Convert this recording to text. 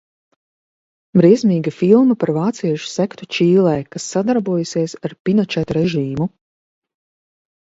Briesmīga filma par vāciešu sektu Čīlē, kas sadarbojusies ar Pinočeta režīmu.